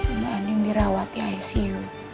mbak aning dirawat di icu